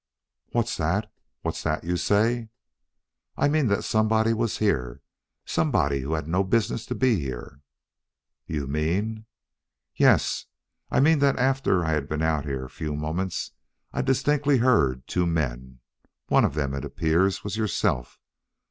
"What's that? What's that you say?" "I mean that somebody was here somebody who had no business to be here." "You mean " "Yes, I mean that after I had been out here a few moments I distinctly heard two men. One of them, it appears, was yourself.